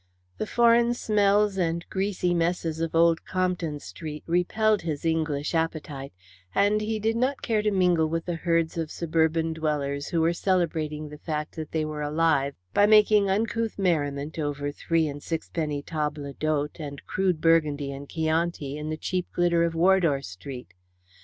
The foreign smells and greasy messes of Old Compton Street repelled his English appetite, and he did not care to mingle with the herds of suburban dwellers who were celebrating the fact that they were alive by making uncouth merriment over three and sixpenny tables d'hótes and crude Burgundy and Chianti in the cheap glitter of Wardour Street.